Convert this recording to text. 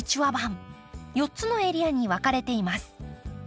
４つのエリアに分かれています。